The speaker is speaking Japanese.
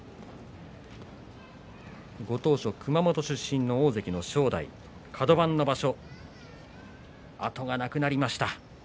ご当所、熊本出身の大関の正代カド番の場所後がなくなりました。